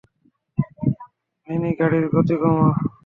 Danny, গাড়ির গতি কমা।